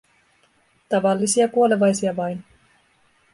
Tavallisia kuolevaisia vain.